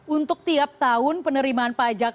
untuk tiap tahun penerimaan pajak